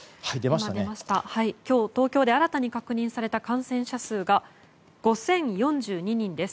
今日、東京で新たに確認された感染者数が５０４２人です。